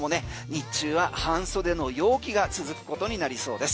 日中は半袖の陽気が続くことになりそうです。